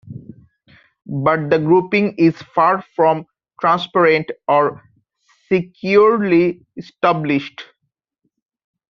But the grouping is far from transparent or securely established.